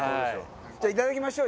じゃあいただきましょう。